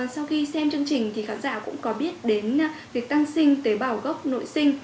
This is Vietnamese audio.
sau khi xem chương trình thì khán giả cũng có biết đến việc tăng sinh tế bào gốc nội sinh